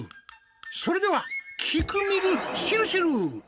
それでは「きくみるしるしる」！